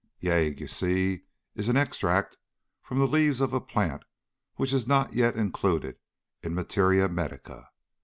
Yagué, you see, is an extract from the leaves of a plant which is not yet included in materia medica.